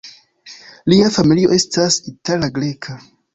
Lia familio estas itala-greka.